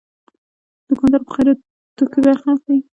دوکاندار په خیراتو کې برخه اخلي.